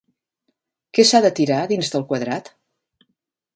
Què s'ha de tirar dins del quadrat?